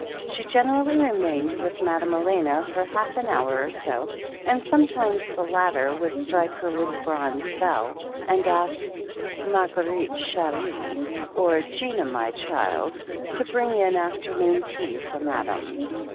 She generally remained with Madame Elena for half an hour or so, and some times the latter would strike her little bronze bell, and ask, "Marguerite, chMe," or "Gina, my child" to bring in afternoon tea for Madam.